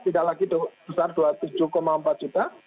tidak lagi besar dua puluh tujuh empat juta